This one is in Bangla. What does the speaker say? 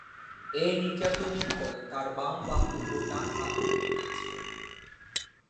এই নির্যাতনের ফলে তার বাম বাহু ও ডান হাত ভেঙে গিয়েছিল।